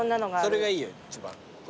それがいいよ一番。